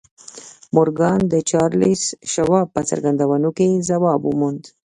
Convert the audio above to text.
مورګان د چارلیس شواب په څرګندونو کې ځواب وموند